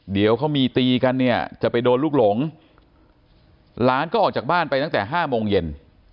เดี๋ยวเขามีตีกันเนี่ยจะไปโดนลูกหลงหลานก็ออกจากบ้านไปตั้งแต่๕โมงเย็น